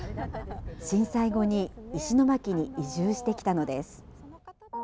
震災後に石巻に移住してきたのです。